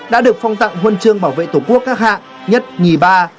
đã được phong tặng huân chương bảo vệ tổ quốc các hạng nhất nhì ba